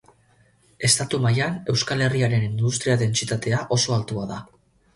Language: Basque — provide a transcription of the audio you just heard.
Estatu mailan, Euskal Herriaren industria-dentsitatea oso altua da.